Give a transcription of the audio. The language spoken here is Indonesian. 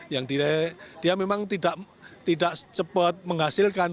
yang dia memang tidak cepat menghasilkan